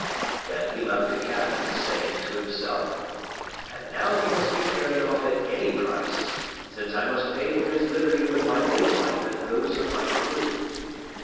Then he left the cabin, saying to himself, "And now he must be carried off at any price, since I must pay for his liberty with my own life and those of my crew."